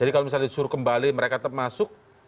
jadi kalau misalnya disuruh kembali mereka tetap masuk